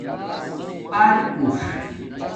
ارکُݽ